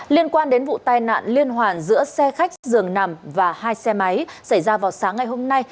liên quan đến vụ tai nạn liên hoàn giữa xe khách dường nằm và hai xe máy xảy ra vào sáng ngày hôm nay